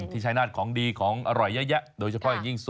ที่ชายนาฏของดีของอร่อยเยอะโดยเฉพาะยิ่งส้มโอ